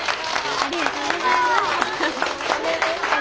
ありがとうございます。